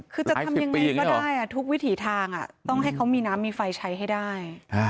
คือจะทำยังไงก็ได้ทุกวิถีทางต้องให้เขามีน้ำมีไฟใช้ให้ได้